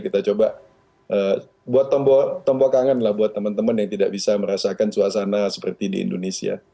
kita coba buat tembok kangen lah buat teman teman yang tidak bisa merasakan suasana seperti di indonesia